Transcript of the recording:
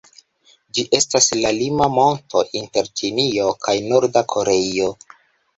Ĝi estas la lima monto inter Ĉinio kaj Norda Koreio.